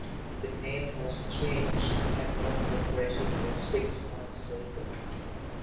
The name was changed to Enron Corporation just six months later.